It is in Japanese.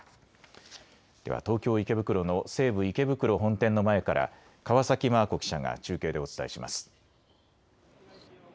では東京池袋の西武池袋本店の前から河崎眞子記者が中継でお伝えします。